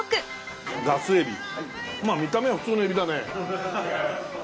見た目は普通のエビだね。